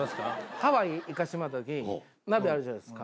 ハワイ行かしてもらった時にナビあるじゃないですか